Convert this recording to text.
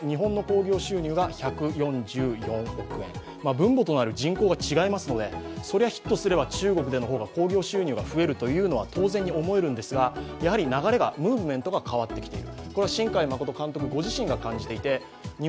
分母となる人口が違いますので、それはヒットすれば中国での収入が増えるのは当然に思えるんですがやはり流れ、ムーブメントが変わってきている。